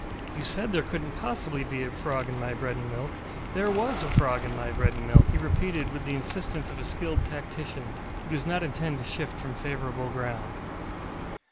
ŌĆ£You said there couldnŌĆÖt possibly be a frog in my bread and milk; there was a frog in my bread and milk, ŌĆØ he repeated, with the insistence of a skilled tactician who does not intend to shift from favourable ground.